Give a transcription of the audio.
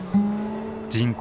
人口